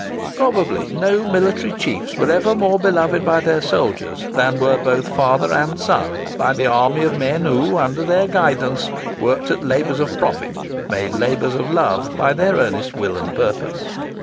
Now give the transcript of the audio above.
Probably no military chiefs were ever more beloved by their soldiers than were both father and son by the army of men who, under their guidance, worked at labours of profit, made labours of love by their earnest will and purpose.